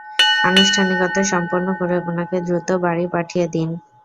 আনুষ্ঠানিকতা সম্পন্ন করে উনাকে দ্রুত বাড়ি পাঠিয়ে দিন।